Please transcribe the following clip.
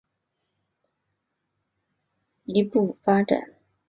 在他一系列相关研究论文中这个议题进一步发展。